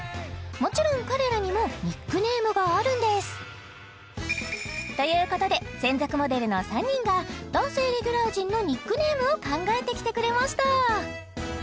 もちろん彼らにもニックネームがあるんですということで専属モデルの３人が男性レギュラー陣のニックネームを考えてきてくれました